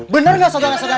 bener gak sodara sodara